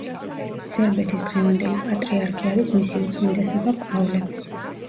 სერბეთის დღევანდელი პატრიარქი არის მისი უწმინდესობა პავლე.